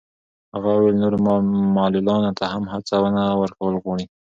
هغه وویل نورو معلولانو ته هم هڅونه ورکول غواړي.